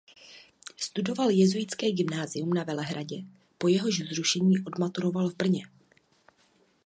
Studoval jezuitské gymnázium na Velehradě po jehož zrušení odmaturoval v Brně.